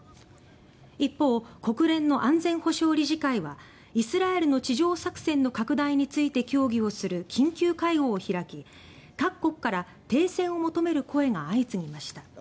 一方、国連の安全保障理事会はイスラエルの地上作戦の拡大について協議をする緊急会合を開き各国から停戦を求める声が相次ぎました。